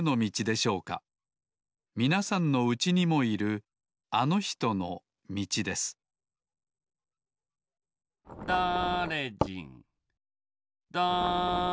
みなさんのうちにもいるあのひとのみちですだれじんだれじん